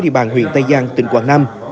ở huyện tây giang tỉnh quảng nam